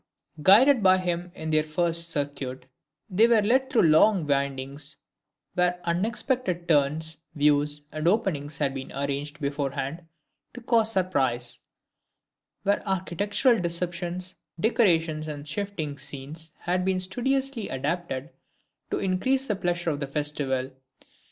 Guided by him in their first circuit, they were led through long windings, where unexpected turns, views, and openings had been arranged beforehand to cause surprise; where architectural deceptions, decorations and shifting scenes had been studiously adapted to increase the pleasure of the festival.